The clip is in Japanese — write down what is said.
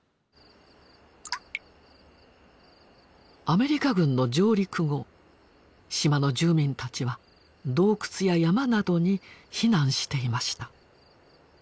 アメリカ軍の上陸後島の住民たちは洞窟や山などに避難していました。